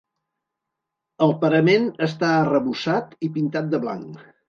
El parament està arrebossat i pintat de blanc.